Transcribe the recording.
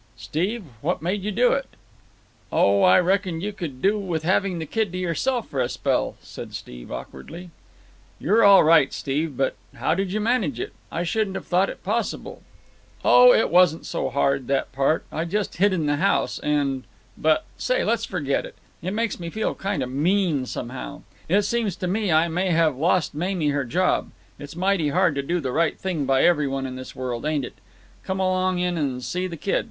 "Steve, what made you do it?" "Oh, I reckoned you could do with having the kid to yourself for a spell," said Steve awkwardly. "You're all right, Steve. But how did you manage it? I shouldn't have thought it possible." "Oh, it wasn't so hard, that part. I just hid in the house, and—but say, let's forget it; it makes me feel kind of mean, somehow. It seems to me I may have lost Mamie her job. It's mighty hard to do the right thing by every one in this world, ain't it? Come along in and see the kid.